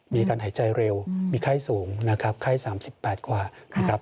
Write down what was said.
มีอาการหายใจเร็วมีไข้สูงไข้๓๘กว่า